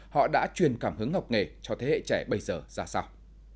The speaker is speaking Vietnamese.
họ đã truyền cảm hứng học nghề cho thế hệ trẻ bây giờ ra sao